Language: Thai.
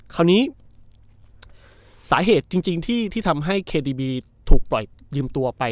คราวนี้สาเหตุจริงจริงที่ที่ทำให้โปร่อยยืมตัวไป